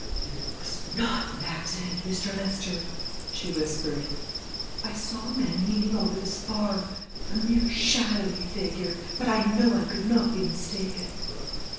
"But it was not an accident, Mr. Lester!" she whispered. "I saw a man leaning over the spar a mere shadowy figure but I know I could not be mistaken."